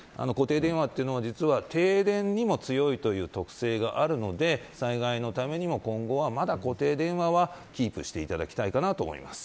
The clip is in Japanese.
固定電話というのは実は停電にも強いという特性があるので災害のためにも今後はまだ固定電話はキープしていただきたいかな